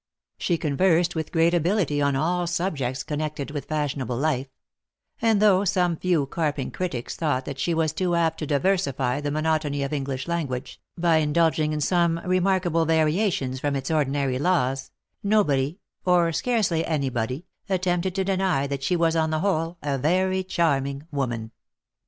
She conversed with great ability on all sub jects connected with fashionable life ; and though some few carping critics thought that she was too apt to diversify the monotony of the English language, by indulging in some remarkable variations from its ordinary laws, nobody, or scarcely any body, attempted to deny that she was on the whole a very charming woman.